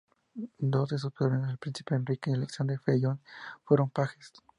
Dos de sus sobrinos, el príncipe Enrique y Alexander Fellowes, fueron pajes.